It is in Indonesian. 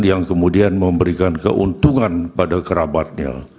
yang kemudian memberikan keuntungan pada kerabatnya